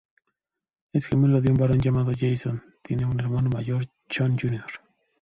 Es gemelo de un varón llamado Jason; tiene un hermano mayor, John Jr.